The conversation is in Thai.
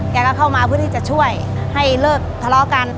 แกก็เข้ามาเพื่อที่จะช่วยให้เลิกทะเลาะกัน